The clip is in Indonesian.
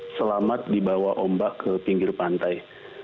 selamat dibawa ombak ke pinggir pantai